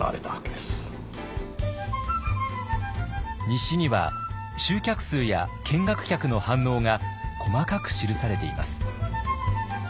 日誌には集客数や見学客の反応が細かく記されています。